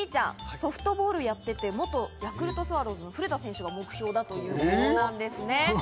ソフトボールをやっていて元ヤクルトスワローズの古田選手が目標ということですね。